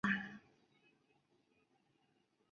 王延之对这个评价抱有不满。